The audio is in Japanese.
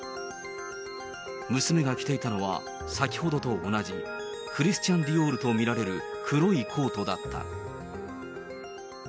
娘が着ていたのは、先ほどと同じ、クリスチャン・ディオールと見られる黒いコートだった。